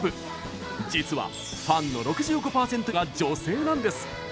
実は、ファンの６５％が女性なんです。